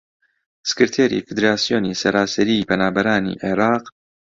سکرتێری فیدراسیۆنی سەراسەریی پەنابەرانی عێراق